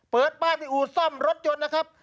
เปิดบ้านที่อู่ซ่อมรถยนต์นะครับ